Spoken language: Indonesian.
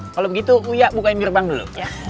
kalau begitu uya bukain gerbang dulu